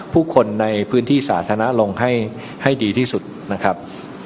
ผู้คนในพื้นที่สาธารณะลงให้ดีที่สุดนะครับ